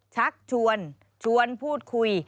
ชักชวนชวนพูดคุย